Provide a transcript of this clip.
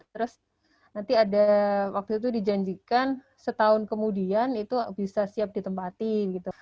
terus nanti ada waktu itu dijanjikan setahun kemudian itu bisa siap ditempatin gitu